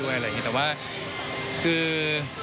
แต่ว่าคือ